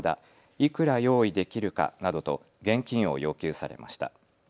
いくら用意できるかなどと現金を要求されました。